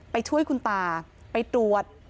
ไปช่วยคุณตาไปตรวจ